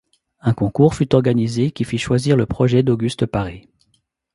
Un concours fut organisé qui fit choisir le projet d 'Auguste Paris.